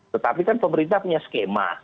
tetapi kan pemerintah punya skema